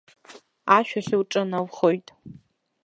Ашә ахь лҿыналхоит.